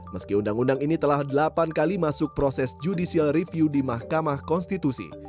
meski undang undang ini telah delapan kali masuk proses judicial review di mahkamah konstitusi